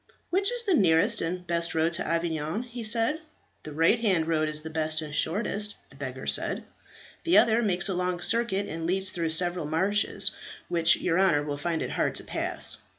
"Which is the nearest and best road to Avignon?" he said. "The right hand road is the best and shortest," the beggar said. "The other makes a long circuit, and leads through several marshes, which your honour will find it hard to pass."